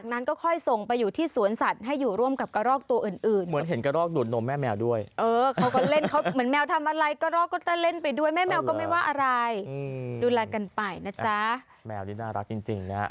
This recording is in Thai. แมวที่น่ารักจริง